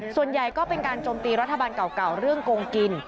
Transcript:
ส่วนใหญ่ก็เป็นการโจมตีรัฐบาลเก่าเรื่องโกงกิน